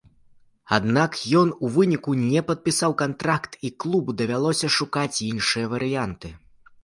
Аднак ён у выніку не падпісаў кантракт, і клубу давялося шукаць іншыя варыянты.